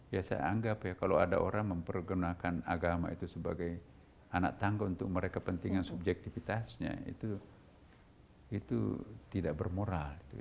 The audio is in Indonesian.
ya saya anggap ya kalau ada orang mempergunakan agama itu sebagai anak tangga untuk mereka kepentingan subjektifitasnya itu tidak bermoral